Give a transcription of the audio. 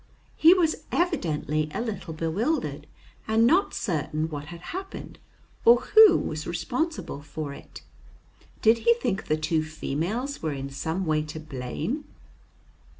He was evidently a little bewildered, and not certain what had happened or who was responsible for it. Did he think the two females were in some way to blame?